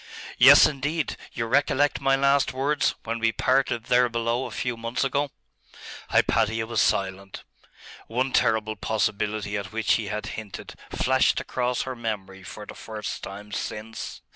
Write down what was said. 'Yes, indeed. You recollect my last words, when we parted there below a few months ago?' Hypatia was silent. One terrible possibility at which he had hinted flashed across her memory for the first time since